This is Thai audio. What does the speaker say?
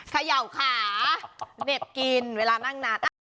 เขย่าขาเหน็บกินเวลานั่งนาน